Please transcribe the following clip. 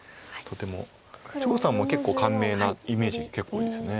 張栩さんも結構簡明なイメージ結構多いです。